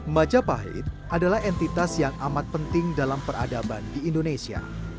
majapahit adalah entitas yang amat penting dalam peradaban di indonesia